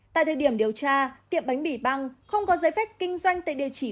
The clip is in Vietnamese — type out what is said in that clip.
tại thời điểm điều tra tiệm bánh mì băng không có giấy phép kinh doanh tại địa chỉ